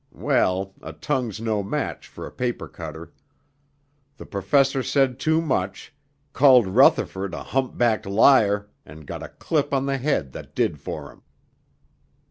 Well, a tongue's no match for a paper cutter. The professor said too much, called Rutherford a hump backed liar and got a clip on the head that did for him."